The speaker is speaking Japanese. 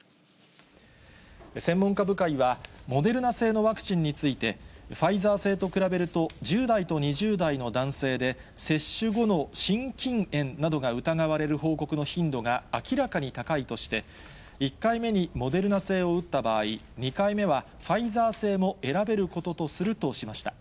専門家部会は、モデルナ製のワクチンについて、ファイザー製と比べると１０代と２０代の男性で接種後の心筋炎などが疑われる報告の頻度が明らかに高いとして、１回目にモデルナ製を打った場合、２回目はファイザー製も選べることとするとしました。